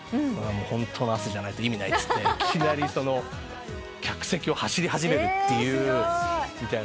ホントの汗じゃないと意味ない」っつっていきなり客席を走り始めるっていう。